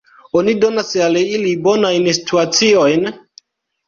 Oni donas al ili bonajn situaciojn?